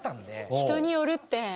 人によるって。